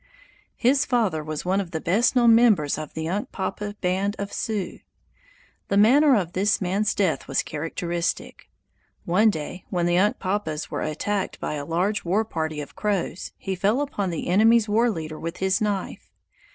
His father was one of the best known members of the Unkpapa band of Sioux. The manner of this man's death was characteristic. One day, when the Unkpapas were attacked by a large war party of Crows, he fell upon the enemy's war leader with his knife.